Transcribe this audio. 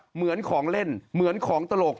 เหมือนของเล่นเหมือนของตลก